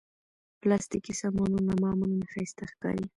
پلاستيکي سامانونه معمولا ښايسته ښکاري.